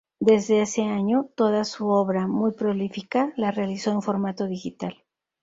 Desde ese año, toda su obra, muy prolífica, la realizó en formato digital.